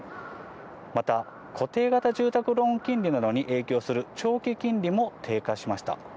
また、固定型住宅ローン金利などに影響する長期金利も低下しました。